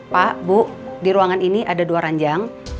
pak bu di ruangan ini ada dua ranjang